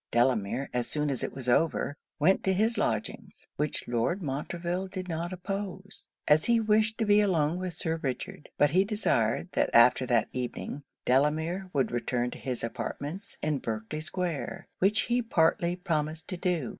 Delamere, as soon as it was over, went to his lodgings; which Lord Montreville did not oppose, as he wished to be alone with Sir Richard; but he desired, that after that evening Delamere would return to his apartments in Berkley square; which he partly promised to do.